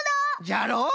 じゃろ？